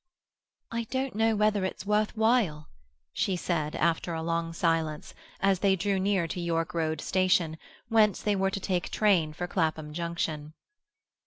"I don't know whether it's worth while," she said, after a long silence, as they drew near to York Road Station, whence they were to take train for Clapham Junction.